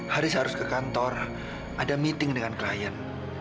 haris harus ke kantor ada meeting dengan klien